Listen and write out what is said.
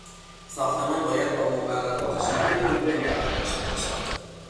ساختمان باید با مقررات شهرداری مطابقت داشته باشد.